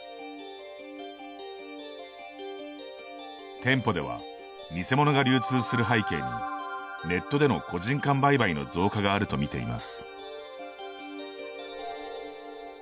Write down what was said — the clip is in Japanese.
店舗では偽物が流通する背景にネットでの個人間売買の増加があるとみています。